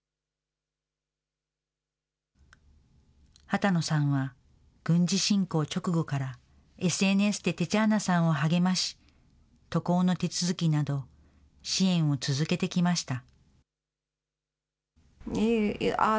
波多野さんは軍事侵攻直後から、ＳＮＳでテチャーナさんを励まし、渡航の手続きなど、支援を続けてきました。